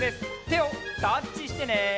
てをタッチしてね！